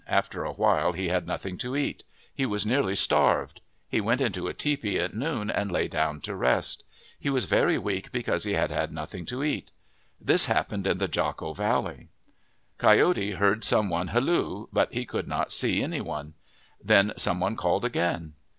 After a while he had nothing to eat. He was nearly starved. He went into a tepee at noon and lay down to rest. He was very weak because he had had nothing to eat. This happened in the Jocko Valley. Coyote heard some one halloo, but he could not see any one. Then some one called again.